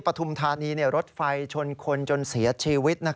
ปฐุมธานีรถไฟชนคนจนเสียชีวิต